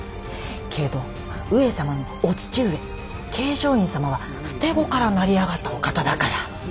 けど上様のお父上桂昌院様は捨て子から成り上がったお方だから。